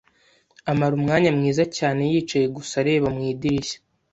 Amara umwanya mwiza cyane yicaye gusa areba mu idirishya.